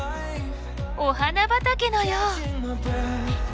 お花畑のよう！